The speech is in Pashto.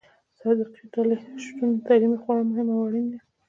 صادقې ډلې شتون تعلیمي خورا مهم او اړين دي.